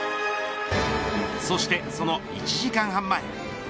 そしてその１時間半前。